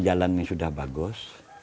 jalannya sudah bagus